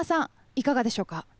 いかがでしょうか？